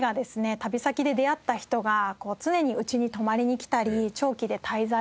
旅先で出会った人が常にうちに泊まりに来たり長期で滞在をしたり。